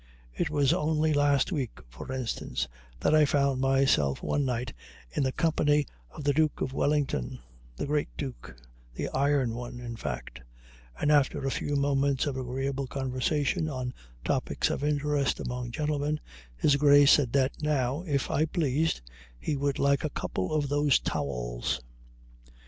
It was only the last week, for instance, that I found myself one night in the company of the Duke of Wellington, the great Duke, the Iron one, in fact; and after a few moments of agreeable conversation on topics of interest among gentlemen, his Grace said that now, if I pleased, he would like a couple of those towels.